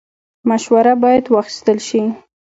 مشوره باید واخیستل شي